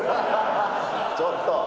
ちょっと！